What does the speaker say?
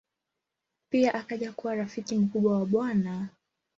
Pia akaja kuwa rafiki mkubwa wa Bw.